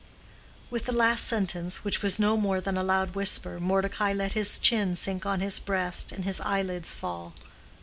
With the last sentence, which was no more than a loud whisper, Mordecai let his chin sink on his breast and his eyelids fall.